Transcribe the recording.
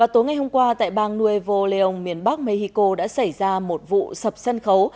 tối hôm qua tại bang nuevo león miền bắc mexico đã xảy ra một vụ sập sân khấu